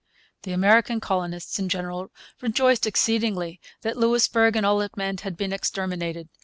The American colonists in general rejoiced exceedingly that Louisbourg and all it meant had been exterminated.